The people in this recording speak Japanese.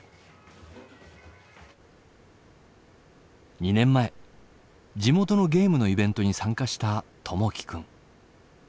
２年前地元のゲームのイベントに参加した友輝君。